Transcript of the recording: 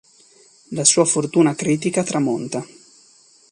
La sua fortuna critica tramonta.